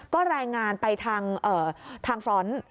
ก็รายงานไปทางฟรอนต์